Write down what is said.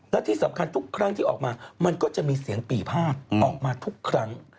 และที่สำคัญทุกครั้งที่ออกมามันก็จะมีเสียงปี่พาดออกมาทุกครั้ง